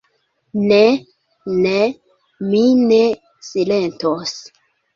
Ne, ne; mi ne silentos.